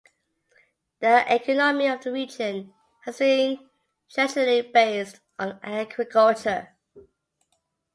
The economy of the region has been traditionally based on agriculture.